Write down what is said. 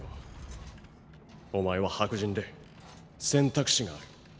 お前は白人で選択肢がある。